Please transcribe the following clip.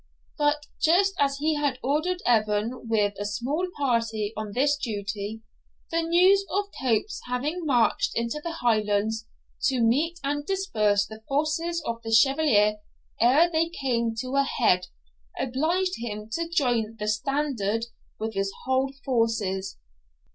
But just as he had ordered Evan with a small party on this duty, the news of Cope's having marched into the Highlands, to meet and disperse the forces of the Chevalier ere they came to a head, obliged him to join the standard with his whole forces.